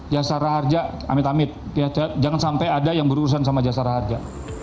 jasa marga amit amit jangan sampai ada yang berurusan sama jasa marga